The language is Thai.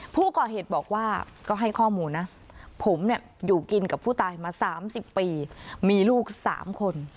ผู้ก่อเหตุบอกว่าก็ให้ข้อมูลนะผมอยู่กินกับผู้ตายมา๓๐ปีมีลูก๓คน